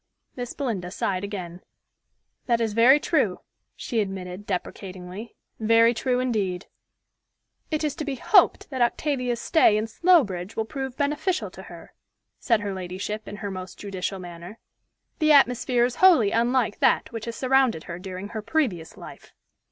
Miss Belinda sighed again. "That is very true," she admitted deprecatingly; "very true indeed." "It is to be hoped that Octavia's stay in Slowbridge will prove beneficial to her," said her ladyship in her most judicial manner. "The atmosphere is wholly unlike that which has surrounded her during her previous life."